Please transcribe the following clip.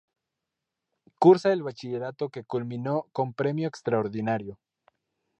Cursa el bachillerato que culminó con Premio Extraordinario.